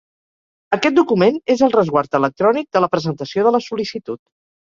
Aquest document és el resguard electrònic de la presentació de la sol·licitud.